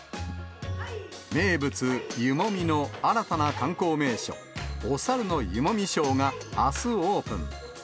名物、湯もみの新たな観光名所、おさるの湯もみショーがあすオープン。